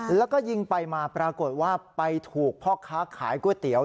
แล้วก็ยิงไปมาปรากฏว่าไปถูกพ่อค้าขายก๋วยเตี๋ย